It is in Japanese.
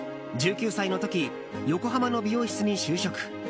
１９歳の時、横浜の美容室に就職。